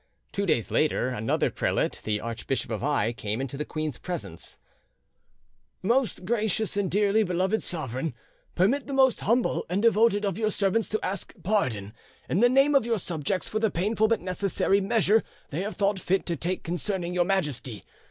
Two days later, another prelate, the Archbishop of Aix, came into the queen's presence,— "Most gracious and dearly beloved sovereign, permit the most humble and devoted of your servants to ask pardon, in the name of your subjects, for the painful but necessary measure they have thought fit to take concerning your Majesty.